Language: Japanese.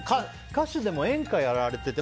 歌手でも演歌やられてて。